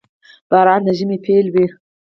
• باران د ژمي پيل وي.